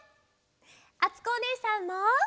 あつこおねえさんも！